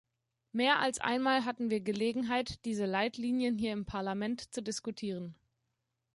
Mehr als einmal hatten wir Gelegenheit, diese Leitlinien hier im Parlament zu diskutieren.